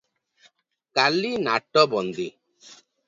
କାଲି ନାଟବନ୍ଦି ।"